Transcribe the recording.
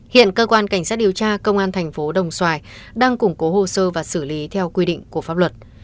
hiện cơ quan cảnh sát điều tra công an thành phố đồng xoài đang củng cố hồ sơ và xử lý theo quy định của pháp luật